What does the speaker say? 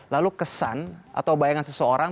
lalu kesan atau bayangan seseorang